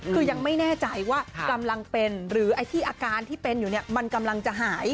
คือยังไม่แน่ใจว่ากำลังเป็นหรือไอ้ที่อาการที่เป็นอยู่เนี่ยมันกำลังจะหาย